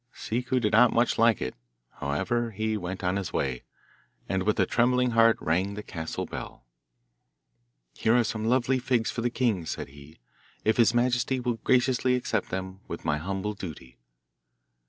Ciccu did not much like it; however he went on his way, and with a trembling heart rang the castle bell. 'Here are some lovely figs for the king,' said he, 'if his majesty will graciously accept them with my humble duty.